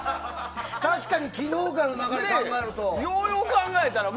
確かに昨日からの流れを考えると。